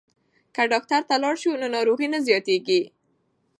که ډاکټر ته لاړ شو نو ناروغي نه زیاتیږي.